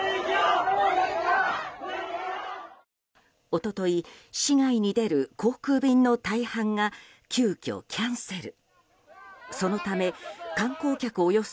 一昨日、市外に出る航空便の大半が急きょキャンセル。